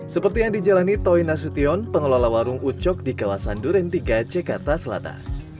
seperti yang dijalani toy nasution pengelola warung ucok di kawasan durentiga cekarta selatan